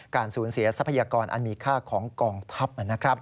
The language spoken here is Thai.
การสูญเสียทรัพยากรอันมีค่าของกองทัพ